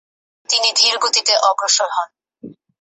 তিনি ধীরগতিতে অগ্রসর হন।